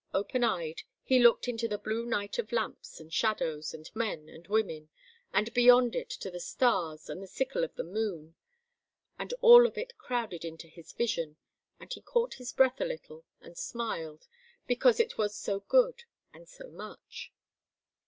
Open eyed he looked into the blue night of lamps and shadows and men and women, and beyond it to the stars and the sickle of the moon, and all of it crowded into his vision, and he caught his breath a little and smiled, because it was so good and so much.